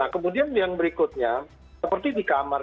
kemudian yang berikutnya seperti di kamar